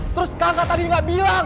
terus kakak tadi bilang